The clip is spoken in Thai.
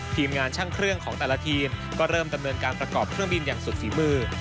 ทีมงานช่างเครื่องของแต่ละทีมก็เริ่มดำเนินการประกอบเครื่องบินอย่างสุดฝีมือ